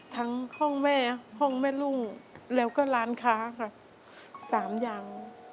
ทั้งห้องแม่ห้องแม่รุ่งแล้วก็ร้านค้าค่ะ๓อย่าง